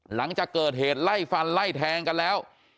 หลังจากเกิดเหตุไล่ฟันไล่แทงกันแล้ว